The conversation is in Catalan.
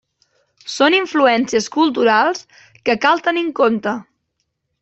Són influències culturals que cal tenir en compte.